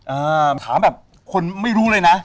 อ่าถามแบบคนไม่รู้เลยนะ